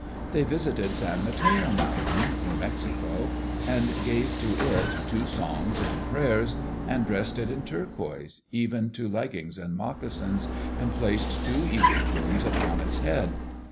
They visited San Mateo Mountain (New Mexico) and gave to it two songs and prayers, and dressed it in turquoise, even to leggings and moccasins, and placed two eagle plumes upon its head.